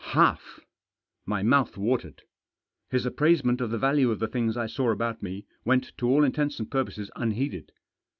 Half! My mouth watered. His appraisement of the value of the things I saw about me went to all intents and purposes unheeded.